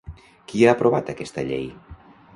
Qui ha aprovat aquesta llei?